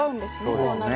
そうなると。